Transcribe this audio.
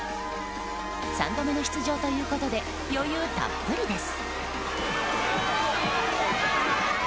３度目の出場ということで余裕たっぷりです。